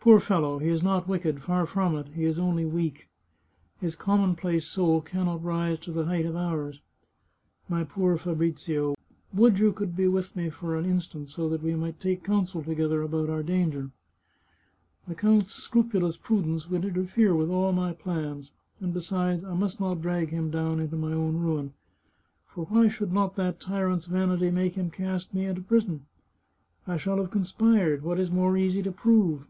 Poor fellow! he is not wicked — far from it — he is only weak. His commonplace soul can not rise to the height of ours. My poor Fabrizio, would you could be with me for an instant, so that we might take counsel together about our danger !" The count's scrupulous prudence would interfere with all my plans, and besides, I must not drag him down into my own ruin. ... For why should not that tyrant's vanity make him cast me into prison ? I shall have conspired ... what is more easy to prove?